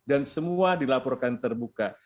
dan semua dilaporkan terbuka